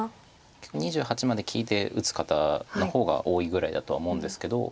結構「２８」まで聞いて打つ方のほうが多いぐらいだとは思うんですけど。